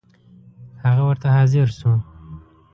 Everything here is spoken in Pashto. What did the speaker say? هغه ورته حاضر شو.